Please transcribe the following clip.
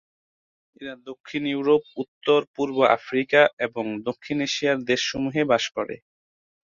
এরা দক্ষিণ ইউরোপ, উত্তর পূর্ব আফ্রিকা এবং দক্ষিণ এশিয়ার দেশসমূহে বাস করে।